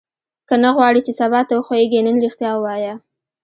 که نه غواړې چې سبا ته وښوېږې نن ریښتیا ووایه.